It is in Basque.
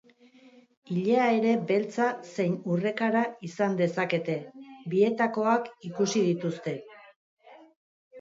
Ilea ere beltza zein urrekara izan dezakete, bietakoak ikusi dituzte.